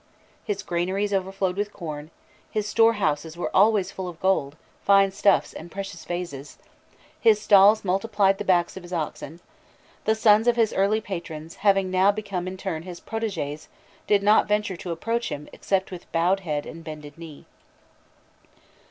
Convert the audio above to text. His granaries overflowed with corn, his storehouses were always full of gold, fine stuffs, and precious vases, his stalls "multiplied the backs" of his oxen; the sons of his early patrons, having now become in turn his protégés, did not venture to approach him except with bowed head and bended knee.